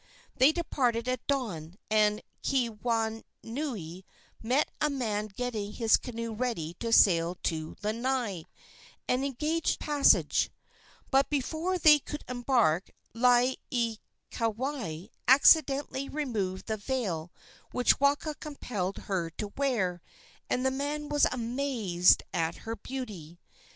They departed at dawn, and at Keawanui met a man getting his canoe ready to sail to Lanai, and engaged passage; but before they could embark Laieikawai accidentally removed the veil which Waka compelled her to wear, and the man was amazed at her beauty.